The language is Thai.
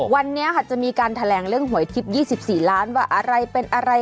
วันนี้จะมีการแถลงเรื่องหวยทิพย์๒๔ล้านว่าอะไรเป็นอะไร